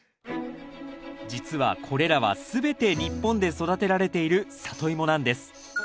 実はこれらは全て日本で育てられているサトイモなんです。